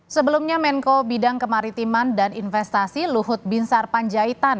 sebelumnya menko bidang kemaritiman dan investasi luhut binsar panjaitan